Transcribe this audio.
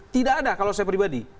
tidak ada kalau saya pribadi